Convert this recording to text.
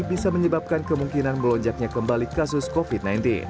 bisa menyebabkan kemungkinan melonjaknya kembali kasus covid sembilan belas